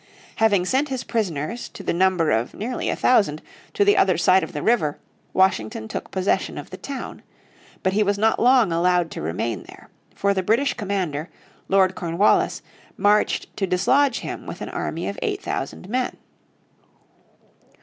Having sent his prisoners, to the number of nearly a thousand, to the other side of the river, Washington took possession of the town. But he was not long allowed to remain there. For the British commander, Lord Cornwallis, marched to dislodge him with an army of eight thousand men.